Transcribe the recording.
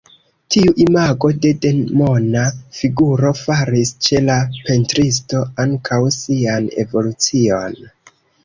Tiu imago de Demona figuro faris ĉe la pentristo ankaŭ sian evolucion.